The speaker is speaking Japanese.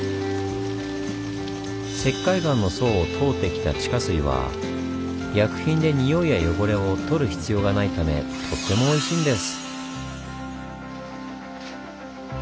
石灰岩の層を通ってきた地下水は薬品でにおいや汚れを取る必要がないためとってもおいしいんです！